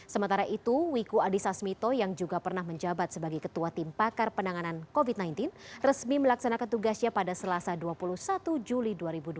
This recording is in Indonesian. sementara itu wiku adhisa smito yang juga pernah menjabat sebagai ketua tim pakar penanganan covid sembilan belas resmi melaksanakan tugasnya pada selasa dua puluh satu juli dua ribu dua puluh